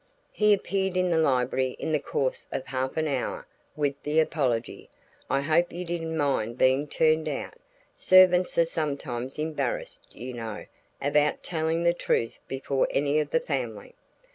He appeared in the library in the course of half an hour with the apology: "I hope you didn't mind being turned out. Servants are sometimes embarrassed, you know, about telling the truth before any of the family."